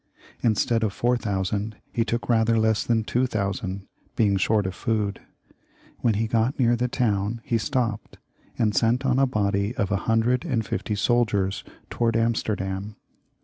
Instead of four thousand he took rather less than two thousand, being short of food. When he got near the town he stopped, and sent on a body of a hundred and fifty soldiers towards Amsterdam.